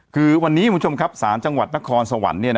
คือวันนี้คุณผู้ชมครับศาลจังหวัดนครสวรรค์